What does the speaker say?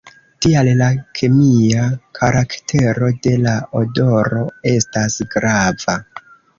Tial la kemia karaktero de la odoro estas grava.